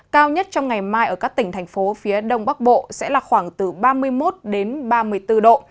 cao nhất trong ngày mai ở các tỉnh thành phố phía đông bắc bộ sẽ là khoảng từ ba mươi một ba mươi bốn độ